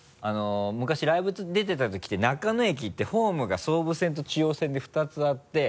昔ライブ出てたときって中野駅ってホームが総武線と中央線で２つあって。